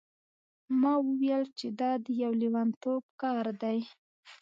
ما وویل چې دا د یو لیونتوب کار دی.